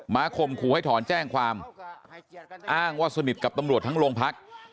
ข่มขู่ให้ถอนแจ้งความอ้างว่าสนิทกับตำรวจทั้งโรงพัก